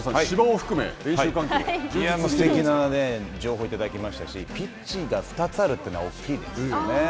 もうすてきな情報をいただきましたし、ピッチが２つあるというのは大きいですよね。